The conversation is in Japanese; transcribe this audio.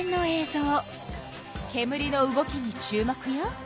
けむりの動きに注目よ。